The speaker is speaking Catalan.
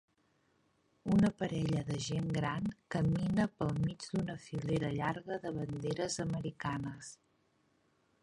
Una parella de gent gran camina pel mig d"una filera llarga de banderes americanes.